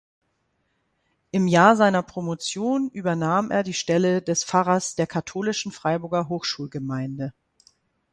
Im Jahr seiner Promotion übernahm er die Stelle des Pfarrers der katholischen Freiburger Hochschulgemeinde.